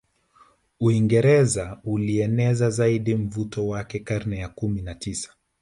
Uingereza ulieneza zaidi mvuto wake karne ya Kumi na tisa